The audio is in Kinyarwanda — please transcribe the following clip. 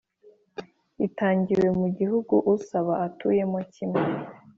itangiwe mu gihugu usaba atuyemo kimwe